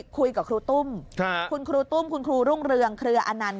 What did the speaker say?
คุยกับครูตุ้มคุณครูตุ้มคุณครูรุ่งเรืองเครืออนันต